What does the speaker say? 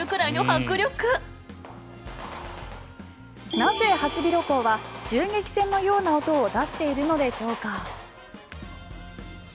なぜ、ハシビロコウは銃撃戦のような音を出しているのでしょうか。